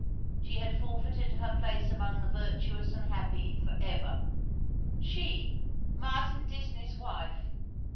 She had forfeited her place among the virtuous and happy for ever. She, Martin Disney's wife!